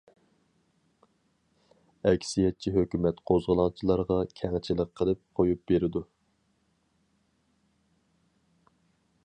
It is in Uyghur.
ئەكسىيەتچى ھۆكۈمەت قوزغىلاڭچىلارغا كەڭچىلىك قىلىپ قويۇپ بېرىدۇ.